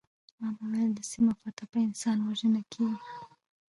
ما به ویل د سیمو فتح په انسان وژنه کیږي